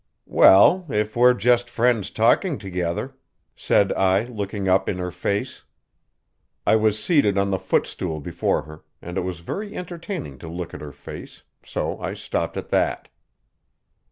"Well, if we're just friends talking together " said I, looking up in her face. I was seated on the footstool before her, and it was very entertaining to look at her face, so I stopped at that.